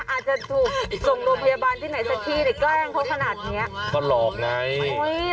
อาจจะถูกส่งโรพยาบาลที่ไหนซะที่ได้แกล้งเพราะขนาดนี้